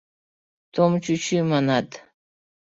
— Том чӱчӱ, манат.